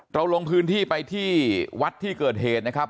เราลงพื้นที่ไปที่วัดที่เกิดเหตุนะครับ